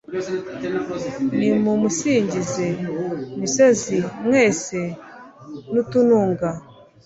nimumusingize misozi mwese n'utununga